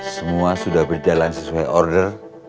semua sudah berjalan sesuai order